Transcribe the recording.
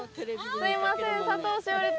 すいません。